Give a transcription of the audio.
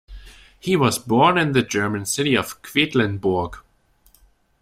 He was born in the German city of Quedlinburg.